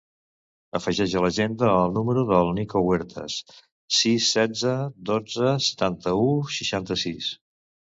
Afegeix a l'agenda el número del Nico Huertas: sis, setze, dotze, setanta-u, seixanta-sis.